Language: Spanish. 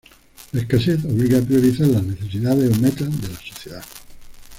La escasez obliga a priorizar las necesidades o metas de la sociedad.